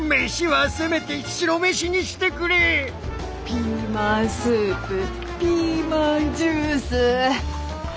ピーマンスープピーマンジュース。